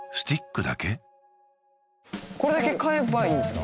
これだけ買えばいいんですか？